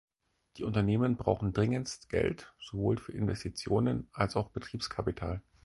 Die Unternehmen brauchen dringendst Geld, sowohl für Investitionen als auch als Betriebskapital.